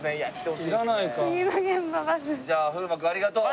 じゃあ風磨君ありがとう！